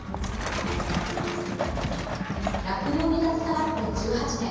酪農に携わって１８年